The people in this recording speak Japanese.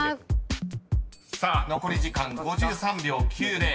［残り時間５３秒９０。